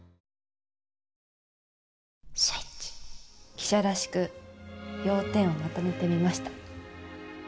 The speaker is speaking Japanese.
記者らしく要点をまとめてみました。